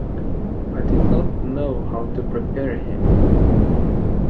I did not know how to prepare him..